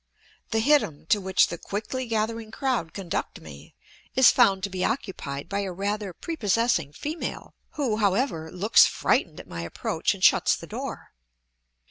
The hittim to which the quickly gathering crowd conduct me is found to be occupied by a rather prepossessing female, who, however, looks frightened at my approach and shuts the door.